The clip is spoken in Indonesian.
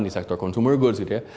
di sektor consumer goods gitu ya